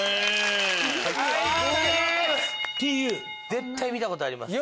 絶対見たことあります。